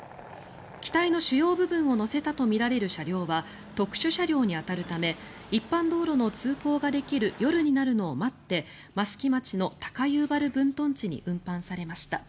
機体の主要部分を載せたとみられる車両は特殊車両に当たるため一般道路の通行ができる夜になるのを待って益城町の高遊原分屯地に運搬されました。